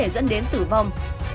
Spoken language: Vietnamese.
dẫn đến tử vong